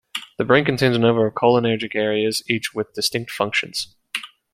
The brain contains a number of cholinergic areas, each with distinct functions.